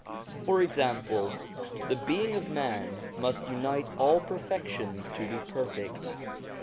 For example, the being of man must unite all perfections to be perfect.